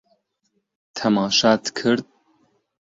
تەماشات کرد؟